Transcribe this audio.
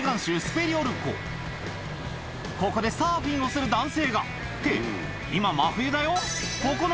ここでサーフィンをする男性がって今真冬だよ